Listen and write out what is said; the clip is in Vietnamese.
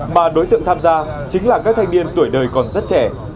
mà đối tượng tham gia chính là các thanh niên tuổi đời còn rất trẻ